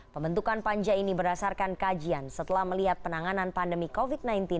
pembentukan panja ini berdasarkan kajian setelah melihat penanganan pandemi covid sembilan belas